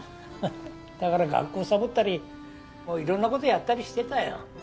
だから学校サボったりいろんなことやったりしてたよ。